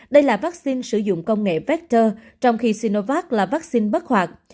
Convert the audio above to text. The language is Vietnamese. đây là vaccine sử dụng công nghệ vector trong khi sinovac là vaccine bất hoạt